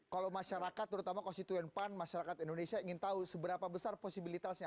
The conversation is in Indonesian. kalau masyarakat terutama konstituen pan masyarakat indonesia ingin tahu seberapa besar posibilitasnya